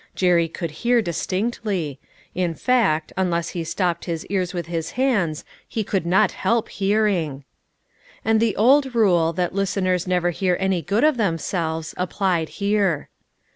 Jerry could hear distinctly ; in fact unless he stopped his ears with his hands he could not help hearing. THE NEW ENTERPRISE. 367 And the old rule, that listeners never hear any good of themselves, applied here.